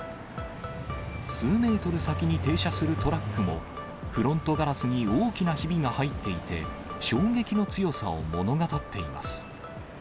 数メートル先に停車するトラックも、フロントガラスに大きなひびが入っていて、衝撃の強さを物語っています。